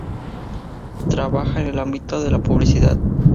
Trabaja en el ámbito de la publicidad.